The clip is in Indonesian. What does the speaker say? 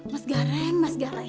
mas gareng mas gareng